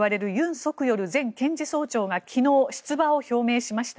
ソクヨル前検事総長が昨日出馬を表明しました。